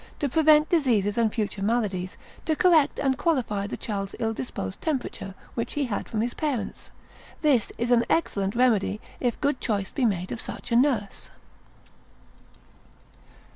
to prevent diseases and future maladies, to correct and qualify the child's ill disposed temperature, which he had from his parents. This is an excellent remedy, if good choice be made of such a nurse.